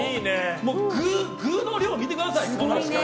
もう具の量、見てください。